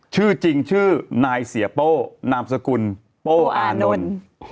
ชื่อจริงชื่อนายเสียโป้นามสกุลโป้อานนท์